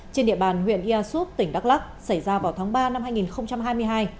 trên địa bàn huyện iasup tỉnh đắk lắc xảy ra vào tháng ba năm hai nghìn hai mươi hai